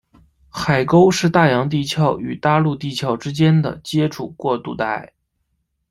海沟是大洋地壳与大陆地壳之间的接触过渡带。